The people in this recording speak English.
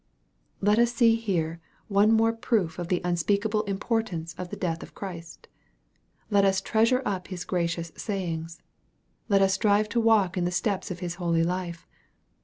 Let us see here one more proof of the unspeakable importance of the death of Christ. Let us treasure up His gracious sayings. Let us strive to walk in the steps of His holy life.